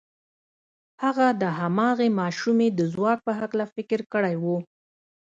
هغه د هماغې ماشومې د ځواک په هکله فکر کړی و.